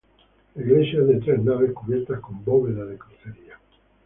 La iglesia es de tres naves cubiertas con bóveda de crucería.